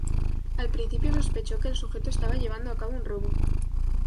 Al principio sospechó que el sujeto estaba llevando a cabo un robo.